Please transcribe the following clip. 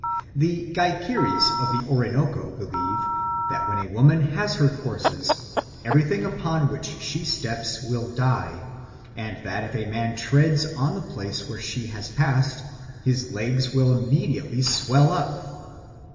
The Guayquiries of the Orinoco believe that when a woman has her courses, everything upon which she steps will die, and that if a man treads on the place where she has passed, his legs will immediately swell up.